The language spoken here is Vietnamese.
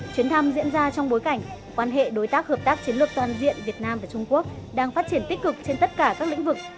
chuyến thăm diễn ra trong bối cảnh quan hệ đối tác hợp tác chiến lược toàn diện việt nam và trung quốc đang phát triển tích cực trên tất cả các lĩnh vực